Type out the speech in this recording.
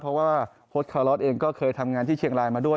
เพราะว่าโฮสคาลอสเองก็เคยทำงานที่เชียงรายมาด้วย